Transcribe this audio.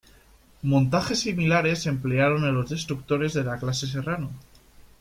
Montajes similares se emplearon en los destructores de la clase Serrano.